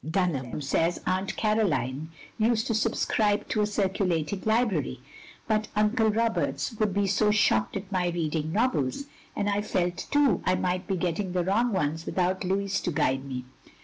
Dtinham says Atant Caroline used to subscribe to a circulating library, but Uncle Roberts would be so shocked at my reading novels; and I felt, too, I might be getting the wrong ones without Louis to guide me.